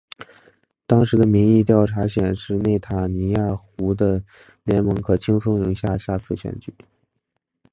当时的民意调查显示内塔尼亚胡的联盟可轻松赢得下次选举。